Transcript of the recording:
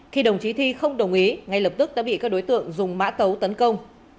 khi đồng chí thi không đồng ý ngay lập tức đã bị các đối tượng dùng mã tấu tấn công